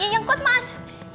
yang kuat mas